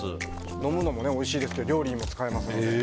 飲むのもおいしいですけど料理にも使えますので。